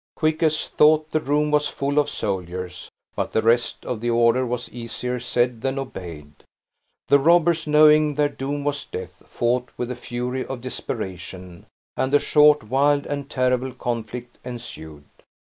Quick as thought the room was full of soldiers! but the rest of the order was easier said than obeyed. The robbers, knowing their doom was death, fought with the fury of desperation, and a short, wild, and terrible conflict ensued.